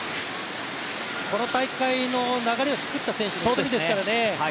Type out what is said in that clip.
この大会の流れを作った選手の一人ですからね。